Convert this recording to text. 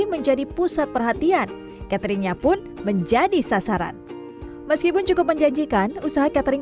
menjadi pusat perhatian cateringnya pun menjadi sasaran meskipun cukup menjanjikan usaha catering